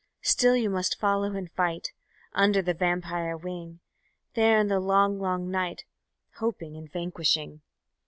_Still you must follow and fight Under the vampire wing; There in the long, long night Hoping and vanquishing.